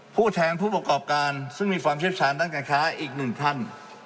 ผู้แทนผู้ประกอบการซึ่งมีความเชี่ยวชาญด้านการค้าอีกหนึ่งท่าน